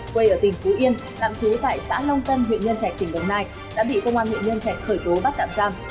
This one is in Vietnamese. quê ở tỉnh phú yên tạm trú tại xã long tân huyện nhân trạch tỉnh đồng nai đã bị công an huyện nhân trạch khởi tố bắt tạm giam